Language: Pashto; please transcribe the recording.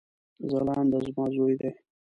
ځلاند زما ځوي دی